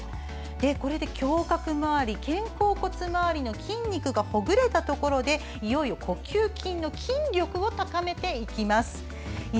これで胸郭回り、肩甲骨回りの筋肉がほぐれたところでいよいよ、呼吸筋の筋力を高めていきましょう。